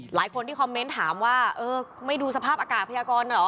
หลายคนที่คอมเมนต์ถามว่าเออไม่ดูสภาพอากาศพยากรเหรอ